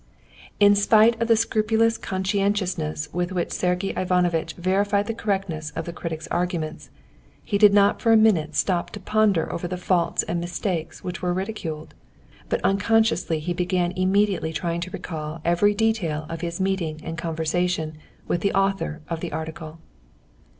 In spite of the scrupulous conscientiousness with which Sergey Ivanovitch verified the correctness of the critic's arguments, he did not for a minute stop to ponder over the faults and mistakes which were ridiculed; but unconsciously he began immediately trying to recall every detail of his meeting and conversation with the author of the article.